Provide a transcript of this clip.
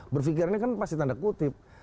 berfikirnya kan pasti tanda kutip